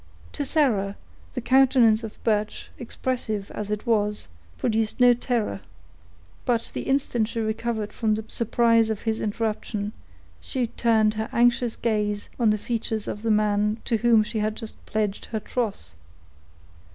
To Sarah, the countenance of Birch, expressive as it was, produced no terror; but the instant she recovered from the surprise of his interruption, she turned her anxious gaze on the features of the man to whom she had just pledged her troth.